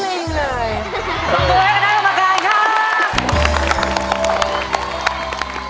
สวัสดีครับทุกคนค่ะ